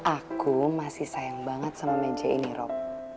aku masih sayang banget sama meja ini rob